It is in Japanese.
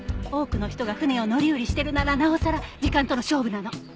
多くの人が船を乗り降りしてるならなおさら時間との勝負なの。